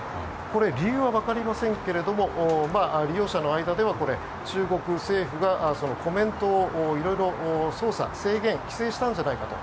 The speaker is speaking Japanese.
これ、理由はわかりませんが利用者の間では中国政府がコメントを色々操作、制限、規制したんじゃないかと。